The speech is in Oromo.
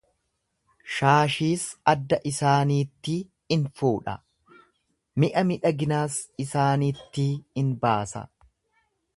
Shaashiis adda isaaniittii in fuudha, mi'a miidhaginaas isaanittii in baasa.